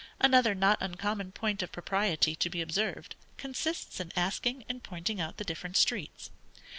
Another not uncommon point of propriety to be observed, consists in asking and pointing out the different streets.